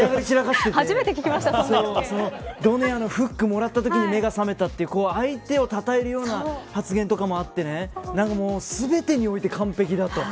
ドネアのフックをもらったときに目が覚めたという相手をたたえるような発言とかもあって全てにおいて完璧だと。